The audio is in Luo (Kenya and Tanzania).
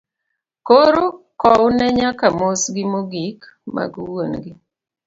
Koro kowne nyaka mos gi mogik mag wuon gi.